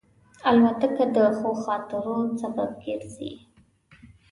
الوتکه د ښو خاطرو سبب ګرځي.